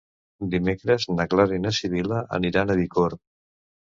Dimecres na Clara i na Sibil·la aniran a Bicorb.